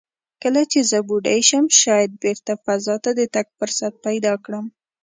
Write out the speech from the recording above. کله چې زه بوډۍ شم، شاید بېرته فضا ته د تګ فرصت پیدا کړم."